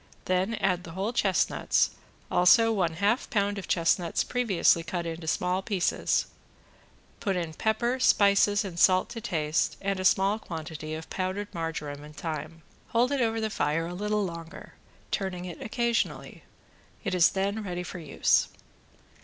Then add the whole chestnuts, also one half pound of chestnuts previously cut out into small pieces, put in pepper, spices and salt to taste, and a small quantity of powdered margoram and thyme. Hold it over the fire a little longer, turning it occasionally. It is then ready for use.